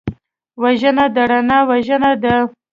وژنه د رڼا وژنه ده